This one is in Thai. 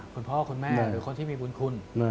คุณพ่อคุณแม่หรือคนที่มีบุญคุณ